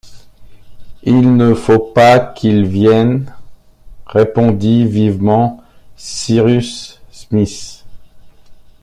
Il ne faut pas qu’il vienne! répondit vivement Cyrus Smith.